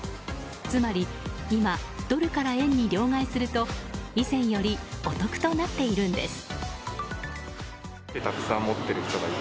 つまり今ドルから円に両替すると以前よりお得となっているんです。